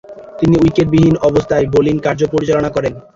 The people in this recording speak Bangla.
তিনি উইকেটবিহীন অবস্থায় বোলিং কার্য পরিচালনা করেন।